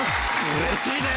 うれしいね！